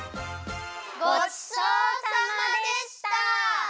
ごちそうさまでした！